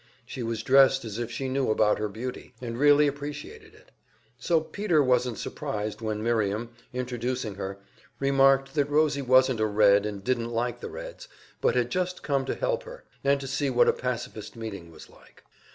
She was dressed as if she knew about her beauty, and really appreciated it; so Peter wasn't surprised when Miriam, introducing her, remarked that Rosie wasn't a Red and didn't like the Reds, but had just come to help her, and to see what a pacifist meeting was like.